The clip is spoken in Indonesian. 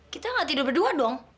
kita gak tidur berdua dong